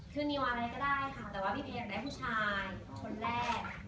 คือนิวอะไรก็ได้ค่ะแต่ว่าพี่เพียอยากได้ผู้ชายคนแรก